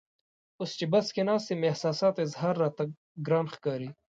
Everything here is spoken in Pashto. اوس چې بس کې ناست یم احساساتو اظهار راته ګران ښکاري.